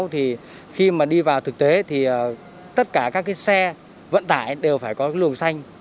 thì khi mà đi vào thực tế thì tất cả các cái xe vận tải đều phải có luồng xanh